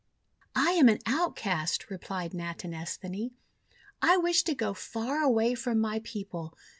'I am an outcast," replied Natinesthani. 'I wish to go far away from my people.